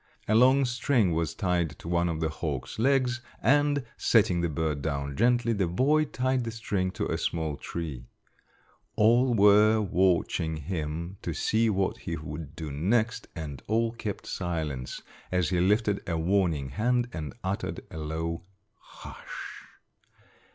A long string was tied to one of the hawk's legs, and, setting the bird down gently, the boy tied the string to a small tree. All were watching him to see what he would do next, and all kept silence as he lifted a warning hand and uttered a low "H u s h!"